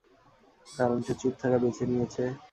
কারণ সে চুপ থাকা বেছে নিয়েছে।